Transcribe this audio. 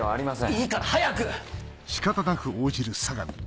いいから早く！